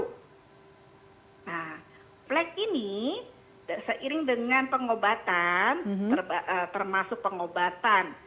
nah flag ini seiring dengan pengobatan termasuk pengobatan